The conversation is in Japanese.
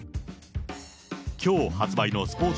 きょう発売のスポーツ